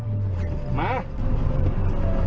เอาเย็นดิ